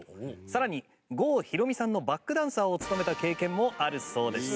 さらに郷ひろみさんのバックダンサーを務めた経験もあるそうです。